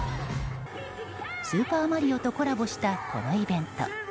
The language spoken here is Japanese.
「スーパーマリオ」とコラボした、このイベント。